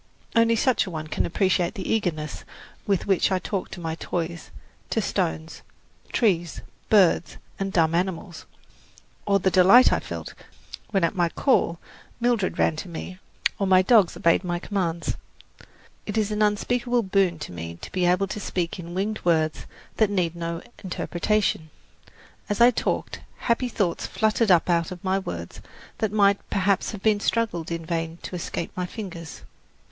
Only such a one can appreciate the eagerness with which I talked to my toys, to stones, trees, birds and dumb animals, or the delight I felt when at my call Mildred ran to me or my dogs obeyed my commands. It is an unspeakable boon to me to be able to speak in winged words that need no interpretation. As I talked, happy thoughts fluttered up out of my words that might perhaps have struggled in vain to escape my fingers.